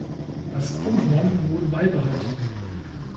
Das Krummhorn wurde beibehalten.